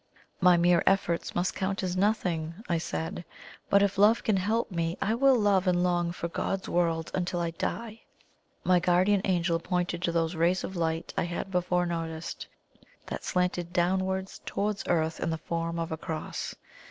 "My mere efforts must count as nothing," I said; "but if Love can help me, I will love and long for God's World until I die!" My guardian Angel pointed to those rays of light I had before noticed, that slanted downwards towards Earth in the form of a Cross.